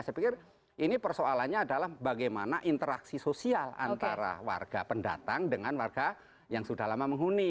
saya pikir ini persoalannya adalah bagaimana interaksi sosial antara warga pendatang dengan warga yang sudah lama menghuni